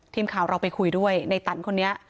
ทีมข่าวเราไปคุยด้วยในตันคนนี้